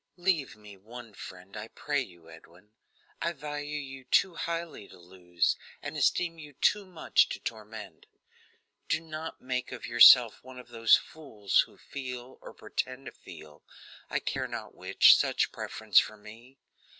"Leave me one friend, I pray you, Edwin. I value you too highly to lose, and esteem you too much to torment. Do not make of yourself one of those fools who feel, or pretend to feel, I care not which, such preference for me.